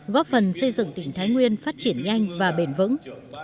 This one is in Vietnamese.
góp phần xây dựng tỉnh thái nguyên phát triển nhanh và bền vững